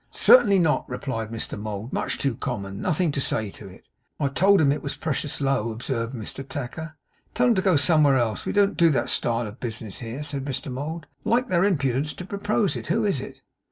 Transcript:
'Certainly not,' replied Mr Mould, 'much too common. Nothing to say to it.' 'I told 'em it was precious low,' observed Mr Tacker. 'Tell 'em to go somewhere else. We don't do that style of business here,' said Mr Mould. 'Like their impudence to propose it. Who is it?